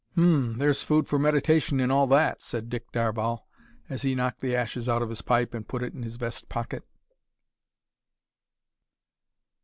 "H'm! there's food for meditation in all that," said Dick Darvall, as he knocked the ashes out of his pipe and put it in his vest pocket.